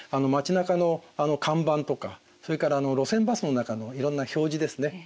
街なかの看板とかそれから路線バスの中のいろんな表示ですね